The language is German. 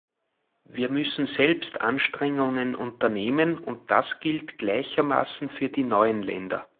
Wir müssen selbst Anstrengungen unternehmen, und das gilt gleichermaßen für die neuen Länder.